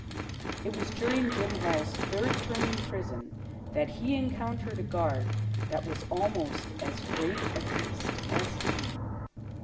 It was during Jim Hall's third term in prison that he encountered a guard that was almost as great a beast as he.